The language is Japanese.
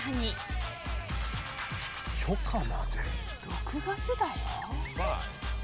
６月だよ。